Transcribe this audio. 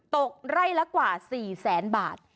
ตกไร่ละกว่า๔แสนบาท